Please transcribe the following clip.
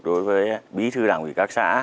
đối với bí thư đảng quỷ các xã